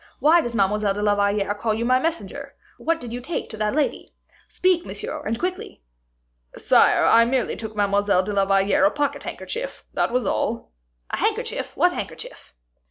Why does Mademoiselle de la Valliere call you my messenger? What did you take to that lady? Speak, monsieur, and quickly." "Sire, I merely took Mademoiselle de la Valliere a pocket handkerchief, that was all." "A handkerchief, what handkerchief?"